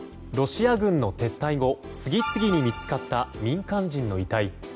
ロシア軍の撤退後次々と見つかった民間人の遺体。